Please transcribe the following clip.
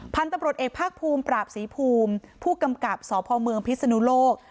พันธุ์ตำรวจเอกภาคภูมิปราบศรีภูมิผู้กำกับสพเมืองพิศนุโลก